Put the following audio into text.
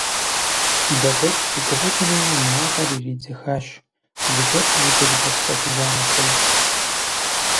Дэбэч пыгуфӀыкӀри, и напӀэр иридзыхащ, зыгуэрым и гур дэпсэхужа нэхъей.